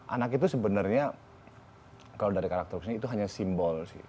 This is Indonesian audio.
anak itu sebenarnya kalau dari karakter kesini itu hanya simbol sih